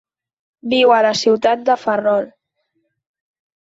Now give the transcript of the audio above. Viu a la ciutat de Ferrol.